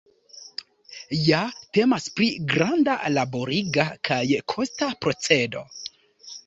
Ja temas pri granda, laboriga kaj kosta procedo.